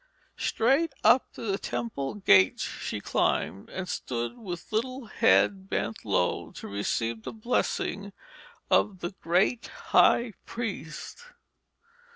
Straight up to the temple gates she climbed, and stood with little head bent low to receive the blessing of the great high priest.